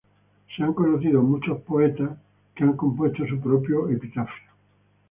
Se han conocido muchos poetas que han compuesto su propio epitafio.